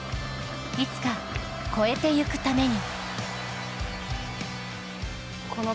いつか、超えていくために。